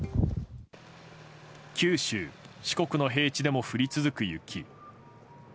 九州・四国の平地でも降り続く雪。